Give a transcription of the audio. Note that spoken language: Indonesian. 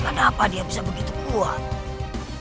kenapa dia begitu kuat